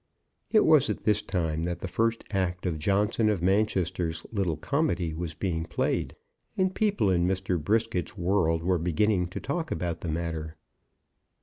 It was at this time that the first act of Johnson of Manchester's little comedy was being played, and people in Mr. Brisket's world were beginning to talk about the matter.